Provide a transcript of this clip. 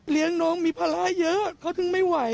เหลี้ยงน้องมีภาระเยอะเขาถึงไม่ไหว